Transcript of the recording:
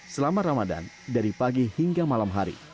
selama ramadan dari pagi hingga malam hari